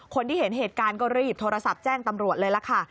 คนที่เห็นเหตุการณ์ก็รีบโทรศัพท์แจ้งตำรวจเลยล่ะค่ะ